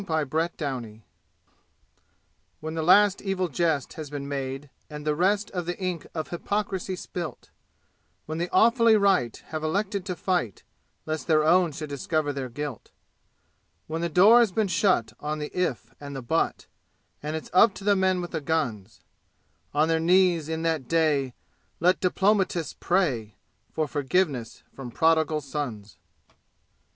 Chapter XVII When the last evil jest has been made, and the rest Of the ink of hypocrisy spilt, When the awfully right have elected to fight Lest their own should discover their guilt; When the door has been shut on the "if" and the "but" And it's up to the men with the guns, On their knees in that day let diplomatists pray For forgiveness from prodigal sons.